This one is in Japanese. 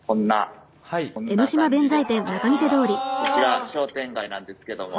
今こちら商店街なんですけども。